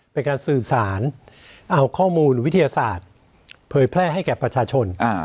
เป็นการสื่อสารเอาข้อมูลวิทยาศาสตร์เผยแพร่ให้แก่ประชาชน